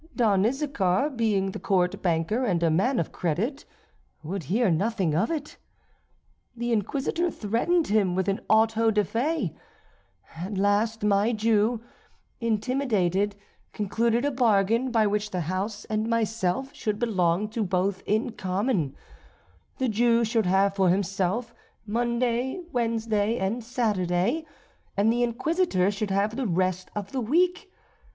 Don Issachar, being the court banker, and a man of credit, would hear nothing of it. The Inquisitor threatened him with an auto da fé. At last my Jew, intimidated, concluded a bargain, by which the house and myself should belong to both in common; the Jew should have for himself Monday, Wednesday, and Saturday, and the Inquisitor should have the rest of the week.